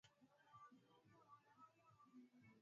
Nilipoteza kitambulisho